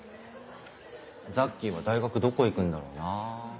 ザッキーは大学どこ行くんだろうな？